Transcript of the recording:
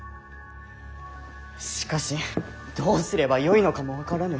しかしどうすればよいのかも分からぬ。